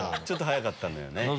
ちょっと早かったのよね。